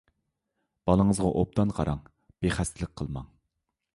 بالىڭىزغا ئوبدان قاراڭ، بىخەستەلىك قىلماڭ.